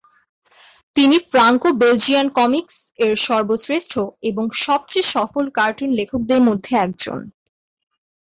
তিনি Franco Belgian comics এর সর্বশ্রেষ্ঠ এবং সবচেয়ে সফল কার্টুন লেখকদের মধ্যে একজন।